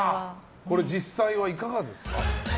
これ、実際はいかがですか？